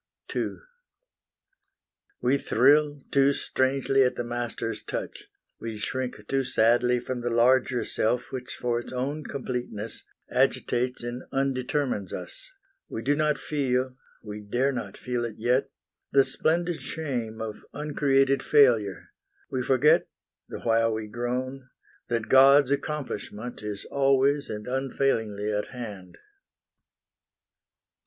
II We thrill too strangely at the master's touch; We shrink too sadly from the larger self Which for its own completeness agitates And undetermines us; we do not feel We dare not feel it yet the splendid shame Of uncreated failure; we forget, The while we groan, that God's accomplishment Is always and unfailingly at hand.